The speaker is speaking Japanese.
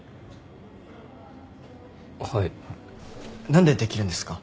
何でできるんですか？